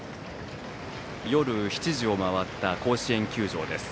夜７時を回った甲子園球場です。